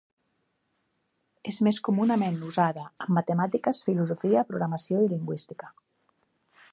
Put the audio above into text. És més comunament usada en matemàtiques, filosofia, programació i lingüística.